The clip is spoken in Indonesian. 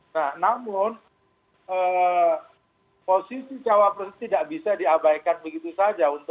nah namun posisi cawapres tidak bisa diabaikan begitu saja